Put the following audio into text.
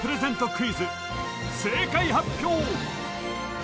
クイズ正解発表！